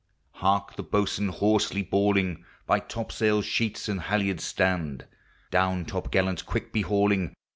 Hark! the boatswain hoarsely bawling, By topsail sheets and halyards stand! Down top gallants quick be hauling!